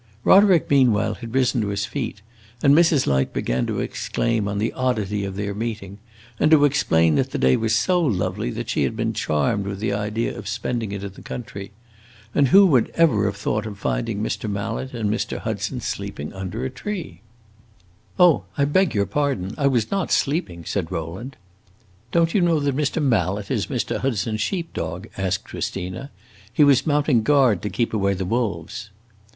Roderick meanwhile had risen to his feet, and Mrs. Light began to exclaim on the oddity of their meeting and to explain that the day was so lovely that she had been charmed with the idea of spending it in the country. And who would ever have thought of finding Mr. Mallet and Mr. Hudson sleeping under a tree! "Oh, I beg your pardon; I was not sleeping," said Rowland. "Don't you know that Mr. Mallet is Mr. Hudson's sheep dog?" asked Christina. "He was mounting guard to keep away the wolves."